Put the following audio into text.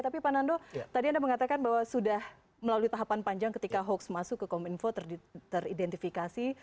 tapi pak nando tadi anda mengatakan bahwa sudah melalui tahapan panjang ketika hoax masuk ke kominfo teridentifikasi